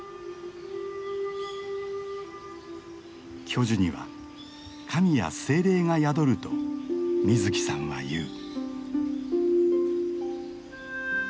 巨樹には神や精霊が宿ると水木さんは言う。